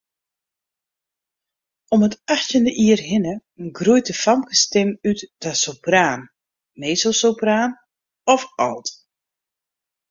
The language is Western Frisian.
Om it achttjinde jier hinne groeit de famkesstim út ta sopraan, mezzosopraan of alt.